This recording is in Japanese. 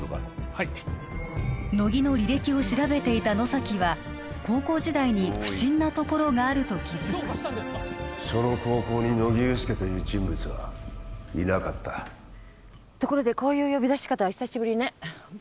はい乃木の履歴を調べていた野崎は高校時代に不審なところがあると気づくその高校に乃木憂助という人物はいなかったところでこういう呼び出し方は久しぶりね